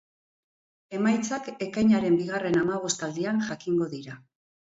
Emaitzak ekainaren bigarren hamabostaldian jakingo dira.